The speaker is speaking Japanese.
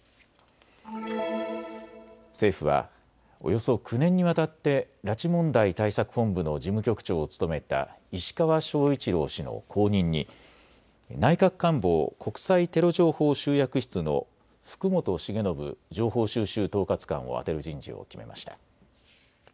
政府はおよそ９年にわたって拉致問題対策本部の事務局長を務めた石川正一郎氏の後任に内閣官房国際テロ情報集約室の福本茂伸情報収集統括官を充てる人事を決めました。